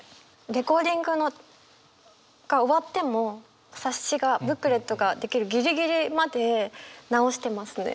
レコーディングが終わっても冊子がブックレットが出来るギリギリまで直してますね。